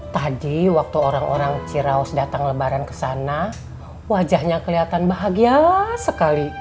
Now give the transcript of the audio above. tadi waktu orang orang ciraos datang lebaran kesana wajahnya keliatan bahagia sekali